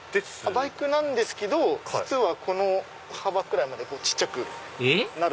バイクなんですけどこの幅くらいまで小さくなる。